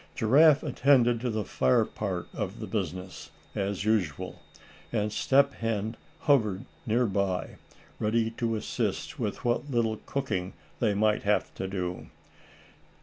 Giraffe attended to the fire part of the business, as usual, and Step Hen hovered near by, ready to assist with what little cooking they might have to do.